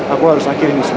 aku harus akhirin ini semua